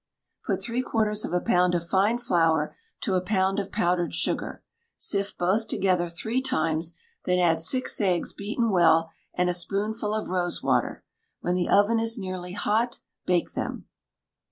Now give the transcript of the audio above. Put three quarters of a pound of fine flour to a pound of powdered sugar; sift both together three times; then add six eggs beaten well, and a spoonful of rose water; when the oven is nearly hot, bake them.